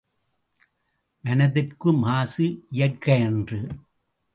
மனத்திற்கு மாசு இயற்கையன்று.